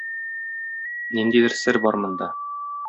Ниндидер сер бар монда.